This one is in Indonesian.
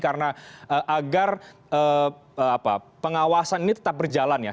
karena agar pengawasan ini tetap berjalan ya